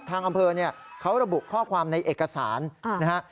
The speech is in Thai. ทางอำเภอเนี่ยเขาระบุข้อความในเอกสารนะฮะ